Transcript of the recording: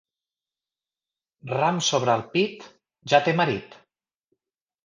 Ram sobre el pit, ja té marit.